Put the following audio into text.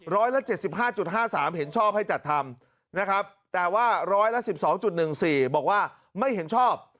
ร้อยละ๗๕๕๓เห็นชอบให้จัดทำนะครับแต่ว่าร้อยละ๑๒๑๔บอกว่าไม่เห็นชอบ